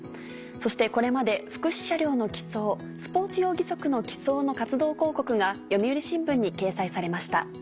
そしてこれまで福祉車両の寄贈スポーツ用義足の寄贈の活動広告が読売新聞に掲載されました。